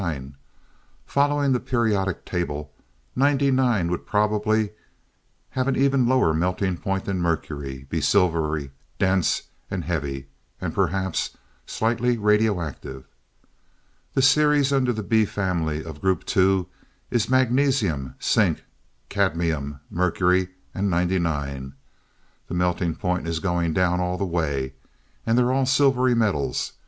Following the periodic table, 99 would probably have an even lower melting point than mercury, be silvery, dense and heavy and perhaps slightly radioactive. The series under the B family of Group II is Magnesium, Zinc, Cadmium, Mercury and 99. The melting point is going down all the way, and they're all silvery metals.